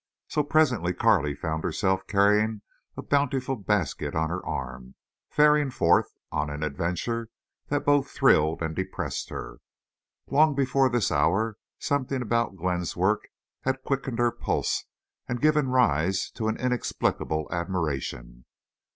So presently Carley found herself carrying a bountiful basket on her arm, faring forth on an adventure that both thrilled and depressed her. Long before this hour something about Glenn's work had quickened her pulse and given rise to an inexplicable admiration.